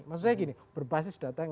maksud saya gini berbasis data yang